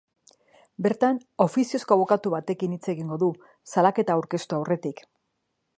Bertan, ofiziozko abokatu batekin hitz egingo du, salaketa aurkeztu aurretik.